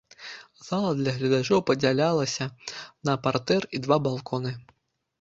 Зала для гледачоў падзялялася на партэр і два балконы.